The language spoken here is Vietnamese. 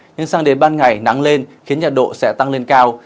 nhưng sang đến ban ngày nắng lên khiến nhiệt độ sẽ tăng lên cao